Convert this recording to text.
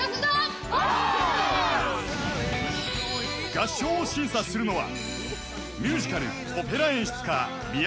［合唱を審査するのは］